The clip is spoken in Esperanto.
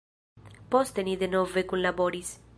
Poste ni denove kunlaboris.